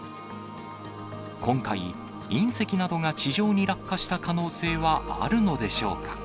今回、隕石などが地上に落下した可能性はあるのでしょうか。